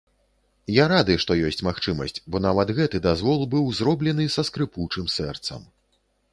Я рады, што ёсць магчымасць, бо нават гэты дазвол быў зроблены са скрыпучым сэрцам.